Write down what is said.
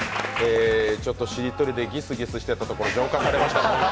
ちょっとしりとりでギスギスしてたところ浄化されました。